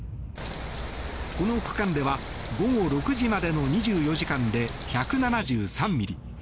この区間では午後６時までの２４時間で１７３ミリ。